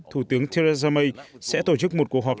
thủ tướng theresa may sẽ tổ chức một cuộc họp